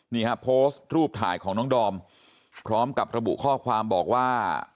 นี่ฮะโพสต์รูปถ่ายของน้องดอมพร้อมกับระบุข้อความบอกว่า